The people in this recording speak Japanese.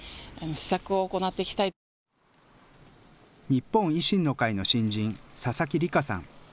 日本維新の会の新人、佐々木里加さん。